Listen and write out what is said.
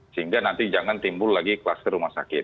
sehingga nanti jangan timbul lagi kluster rumah sakit